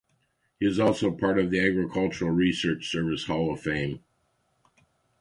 He is also part of the Agricultural Research Service Hall of Fame.